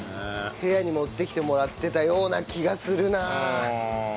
部屋に持ってきてもらってたような気がするなあ。